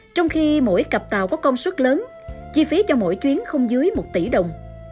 trong khi mỗi cặp tàu có công suất lớn chi phí cho mỗi chuyến không dưới một tỷ đồng